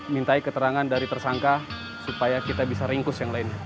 mintai keterangan dari tersangka supaya kita bisa ringkus yang lainnya